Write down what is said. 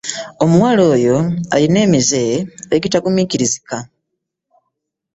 Omuwala oyo alina emize egitaguminkirizika.